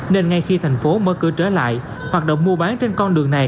nên ngay khi thành phố mở cửa trở lại hoạt động mua bán trên con đường này